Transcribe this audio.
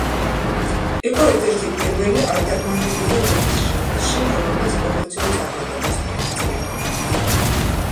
იყო ერთ-ერთი პირველი ალტერნატიული როკის ჟანრში, რომელმაც კომერციულ წარმატებას მიაღწია.